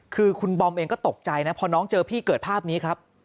คุณบอมเองก็ตกใจพอน้องเจอพี่เกิดภาพนี้